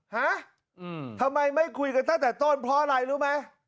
ฮะทำไมไม่คุยกันตั้งแต่ต้นเพราะอะไรรู้ไหม